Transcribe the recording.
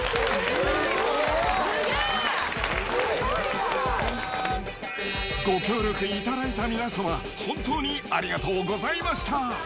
すごい。ご協力いただいた皆様、本当にありがとうございました。